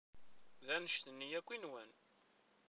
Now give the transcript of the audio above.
D anect-nni akk i nwan.